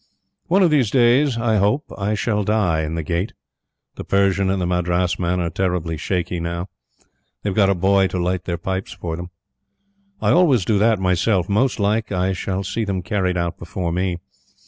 One of these days, I hope, I shall die in the Gate. The Persian and the Madras man are terrible shaky now. They've got a boy to light their pipes for them. I always do that myself. Most like, I shall see them carried out before me.